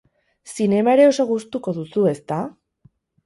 Zinema ere oso gustuko duzu, ezta?